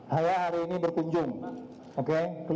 saya hari ini berkunjung